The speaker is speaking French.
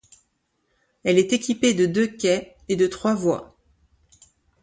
Elle est équipée de deux quais et de trois voies.